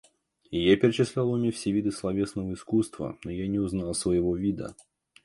Я перечислял в уме все виды словесного искусства, но я не узнал своего вида.